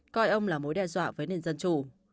coi ông là mối đe dọa với nền dân chủ